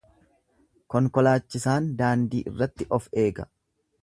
Konkolaachisaan daandii irratti of eeggata.